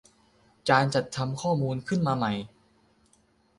การจัดทำข้อมูลขึ้นมาใหม่